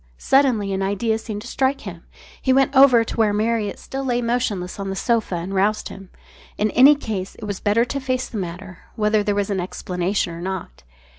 Suddenly an idea seemed to strike him. He went over to where Marriott still lay motionless on the sofa and roused him. In any case it was better to face the matter, whether there was an explanation or not.